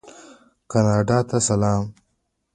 کاناډا ته سلام.